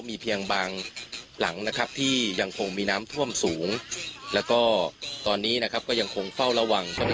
มีเพียงบางหลังนะครับที่ยังคงมีน้ำท่วมสูงแล้วก็ตอนนี้นะครับก็ยังคงเฝ้าระวัง